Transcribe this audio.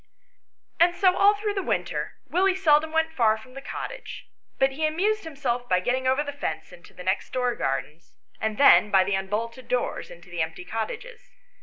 And so all through the winter Willie seldom went far from the cottage ; but he amused himself by getting over the fence into the next door gardens, and then by the unbolted doors into the empty cottages.